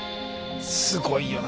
すごいよな。